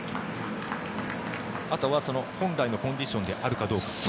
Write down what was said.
あとは本来のコンディションであるかどうか。